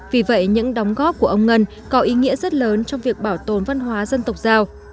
vì vậy những đóng góp của ông ngân có ý nghĩa rất lớn trong việc bảo tồn văn hóa dân tộc giao